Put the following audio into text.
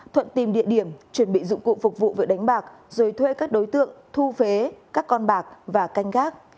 thuận tìm địa điểm chuẩn bị dụng cụ phục vụ việc đánh bạc rồi thuê các đối tượng thu phế các con bạc và canh gác